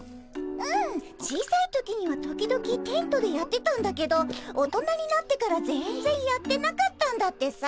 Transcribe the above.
うん小さい時には時々テントでやってたんだけど大人になってから全然やってなかったんだってさ。